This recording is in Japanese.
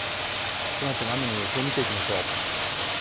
このあとの雨の予想見ていきましょう。